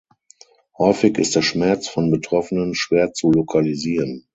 Häufig ist der Schmerz von Betroffenen schwer zu lokalisieren.